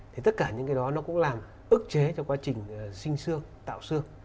thì tất cả những cái đó nó cũng làm ức chế cho quá trình sinh xương tạo xương